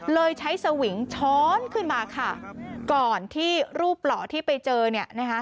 เลยใช้สวิงช้อนขึ้นมาค่ะก่อนที่รูปหล่อที่ไปเจอเนี่ยนะคะ